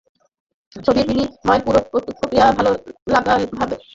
ছবি বিনিময়ের পুরো প্রক্রিয়া দেখভালের জন্য একটি পরামর্শক কমিটিও গঠিত হয়েছে।